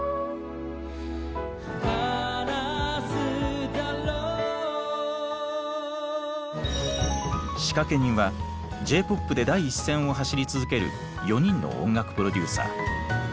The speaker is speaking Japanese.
「話すだろう」仕掛け人はＪ−ＰＯＰで第一線を走り続ける４人の音楽プロデューサー。